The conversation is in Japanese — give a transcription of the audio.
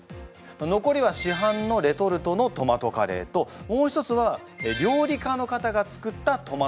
残りは市販のレトルトのトマトカレーともう一つは料理家の方が作ったトマトカレーになっております。